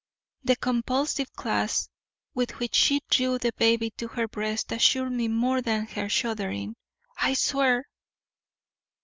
The convulsive clasp with which she drew the baby to her breast assured me more than her shuddering "I swear!"